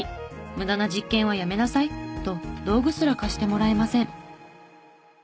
無駄な実験はやめなさい」と道具すら貸してもらえません。